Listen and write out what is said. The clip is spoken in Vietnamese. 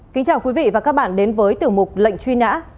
kính chào quý vị và các bạn đến với tiểu mục lệnh truy nã